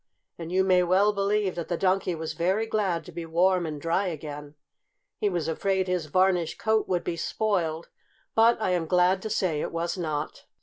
And you may well believe that the Donkey was very glad to be warm and dry again. He was afraid his varnish coat would be spoiled, but I am glad to say it was not.